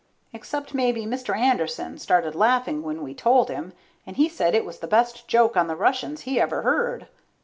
Except maybe Mr. Anderson started laughing when we told him, and he said it was the best joke on the Russians he ever heard.